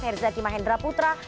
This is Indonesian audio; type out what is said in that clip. herzlati mahendra putra